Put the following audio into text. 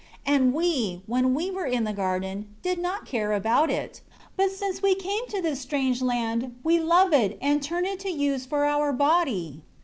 8 And we, when we were in the garden, did not care about it; but since we came to this strange land, we love it, and turn it to use for our body."